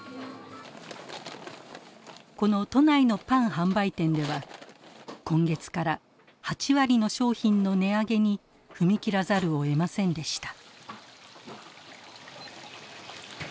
この都内のパン販売店では今月から８割の商品の値上げに踏み切らざるをえませんでした。